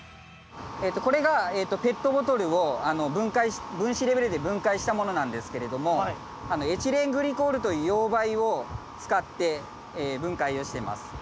これがペットボトルを分解分子レベルで分解したものなんですけれどもエチレングリコールという溶媒を使って分解をしてます。